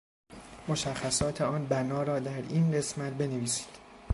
مشخصات آن بنا را در این قسمت بنویسید